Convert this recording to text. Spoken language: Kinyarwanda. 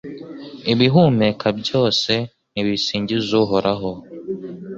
Ibihumeka byose nibisingize Uhoraho